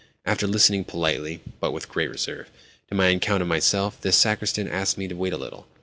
After listening politely, but with great reserve, to my account of myself, this sacristan asked me to wait a little.